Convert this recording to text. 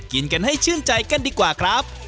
กินกันให้ชื่นใจกันดีกว่าครับ